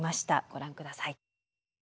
ご覧ください。